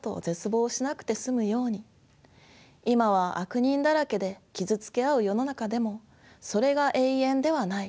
今は悪人だらけで傷つけ合う世の中でもそれが永遠ではない。